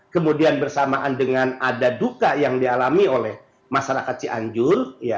kemudian bersamaan dengan ada duka yang dialami oleh masyarakat cianjur